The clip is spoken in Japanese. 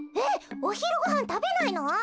おひるごはんたべないの？